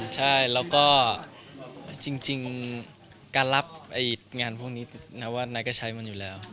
ใช่แล้วก็จริงการรับงานพวกนี้ว่านายก็ใช้มันอยู่แล้ว